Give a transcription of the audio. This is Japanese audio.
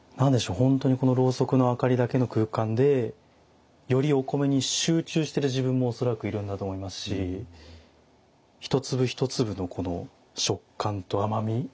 本当にこのろうそくの明かりだけの空間でよりお米に集中してる自分も恐らくいるんだと思いますし一粒一粒のこの食感と甘み。